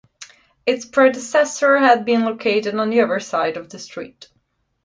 Its predecessor had been located on the other side of the street.